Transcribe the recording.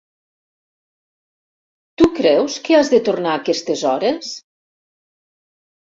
Tu creus que has de tornar a aquestes hores?